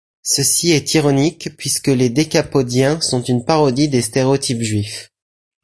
Ceci est ironique puisque les Décapodiens sont une parodie des stéréotypes juifs.